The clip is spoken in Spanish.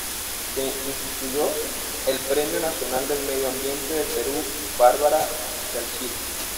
Se instituyó el Premio Nacional del Medio Ambiente del Perú Barbara D’Achille.